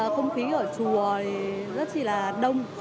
không khí ở chùa rất là đông